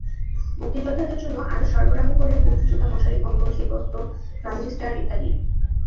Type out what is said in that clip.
মুক্তিযোদ্ধাদের জন্য আরও সরবরাহ করে বুট জুতা, মশারি, কম্বল, শীতবস্ত্র, ট্রানজিস্টার ইত্যাদি।